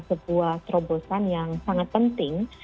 sebuah terobosan yang sangat penting